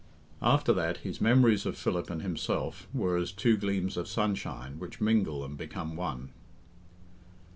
After that his memories of Philip and himself were as two gleams of sunshine which mingle and become one.